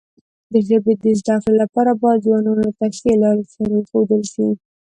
د ژبې د زده کړې لپاره باید ځوانانو ته ښې لارې چارې وښودل شي.